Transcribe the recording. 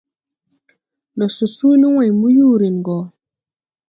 Ndo so suuli wãy mbuyurin go.